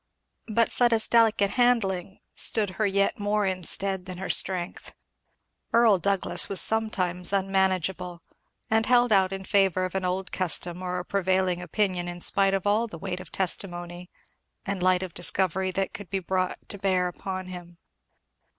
But Fleda's delicate handling stood her yet more in stead than her strength. Earl Douglass was sometimes unmanageable, and held out in favour of an old custom or a prevailing opinion in spite of all the weight of testimony and light of discovery that could be brought to bear upon him.